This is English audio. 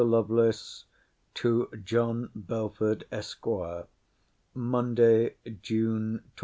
LOVELACE, TO JOHN BELFORD, ESQ. MONDAY, JUNE 26.